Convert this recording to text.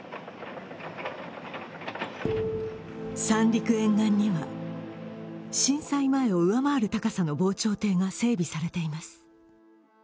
三陸沿岸には震災前を上回る高さの防潮堤が整備されています。